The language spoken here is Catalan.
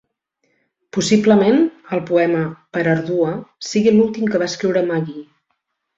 Possiblement, el poema, "Per Ardua", sigui l'últim que va escriure Magee.